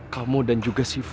kamu dan juga siva